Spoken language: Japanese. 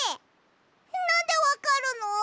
なんでわかるの？